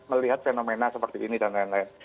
melihat fenomena seperti ini dan lain lain